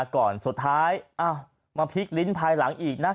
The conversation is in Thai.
ก่อนสุดท้ายมาพลิกลิ้นภายหลังอีกนะ